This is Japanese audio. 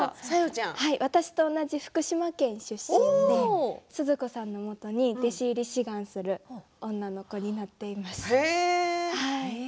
私と同じ福島県出身で鈴子さんのもとに弟子入り志願する女の子の役です。